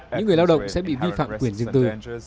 những người lao động sẽ bị vi phạm quyền riêng tư